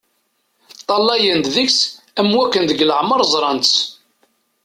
Ṭṭalayen-d deg-s am wakken deg leɛmer ẓran-tt.